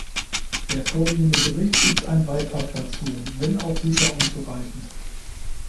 Der vorliegende Bericht ist ein Beitrag dazu, wenn auch sicher unzureichend.